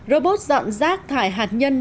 robot dọn rác thải hạt nhân